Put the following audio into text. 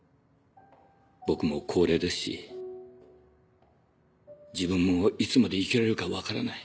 僕も高齢ですし自分もいつまで生きられるか分からない。